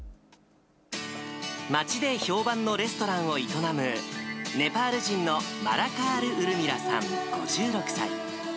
街で評判のレストランを営む、ネパール人のマラカール・ウルミラさん５６歳。